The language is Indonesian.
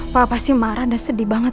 pak pasti marah dan sedih banget